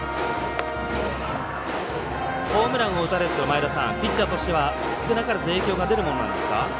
ホームランを打たれるとピッチャーとしては少なからず影響が出るものなんですか？